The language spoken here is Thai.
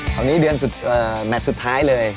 คราวนี้เดือนสุดแมทสุดท้ายเลย